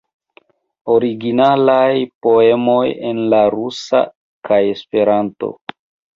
Originalaj poemoj en la rusa kaj Esperanto.